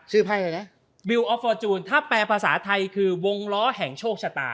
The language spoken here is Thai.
ไพ่อะไรนะวิวออฟฟอร์จูนถ้าแปลภาษาไทยคือวงล้อแห่งโชคชะตา